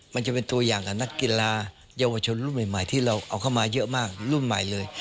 มันจะเป็นตัวอย่างกับนักกีฬาเยาวชนรุ่นใหม่ที่เราเอาเข้ามาเยอะมากรุ่นใหม่เลย